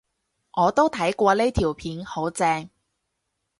我都睇過呢條片，好正